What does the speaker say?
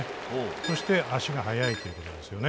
そして足が速いということですよね。